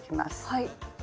はい。